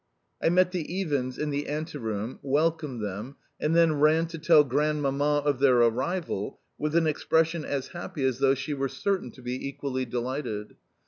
I met the Iwins in the ante room, welcomed them, and then ran to tell Grandmamma of their arrival with an expression as happy as though she were certain to be equally delighted.